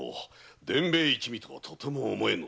伝兵衛一味とはとても思えませぬ。